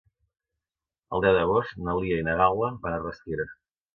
El deu d'agost na Lia i na Gal·la van a Rasquera.